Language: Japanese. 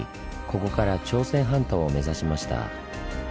ここから朝鮮半島を目指しました。